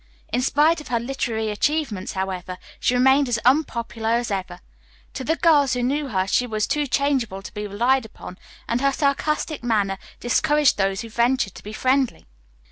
In spite of her literary achievements, however, she remained as unpopular as ever. To the girls who knew her she was too changeable to be relied upon, and her sarcastic manner discouraged those who ventured to be friendly.